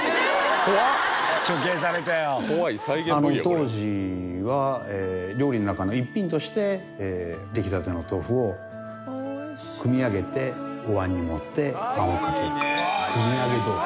当時は料理の中の一品として出来たての豆腐をくみ上げておわんに盛ってあんをかけるくみあげ豆腐。